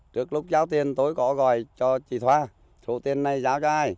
trước lúc giao tiền tôi có gọi cho chị thoa số tiền này giao cho ai